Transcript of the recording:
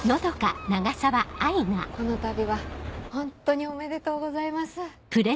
このたびはホントにおめでとうございます。